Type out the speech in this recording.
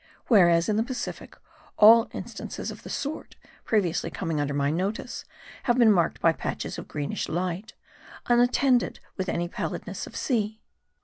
Whereas, in the Pacific, all instances of the sort, previously coming under my notice, had been marked by patches of greenish light, unattended with any pallidness of sea.